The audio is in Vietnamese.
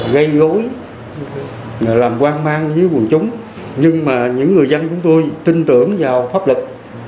gây gối làm quang mang với quần chúng nhưng mà những người dân chúng tôi tin tưởng vào pháp lực